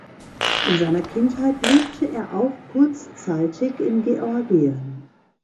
In seiner Kindheit lebte er auch kurzzeitig in Georgien.